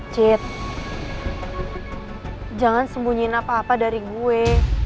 chit jangan sembunyiin apa apa dari gue